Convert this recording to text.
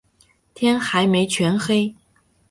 天还没全黑